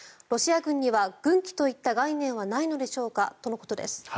ロシア軍には軍規といった概念はないのでしょうか？とのことです。